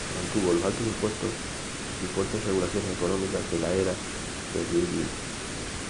Mantuvo los altos impuestos y fuertes regulaciones económicas de la era del New Deal.